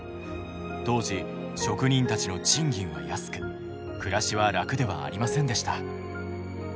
当時職人たちの賃金は安く暮らしは楽ではありませんでした。